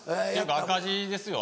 赤字ですよ